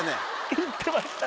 言ってました。